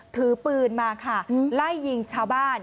ถือปืนมาค่ะไล่ยิงชาวบ้าน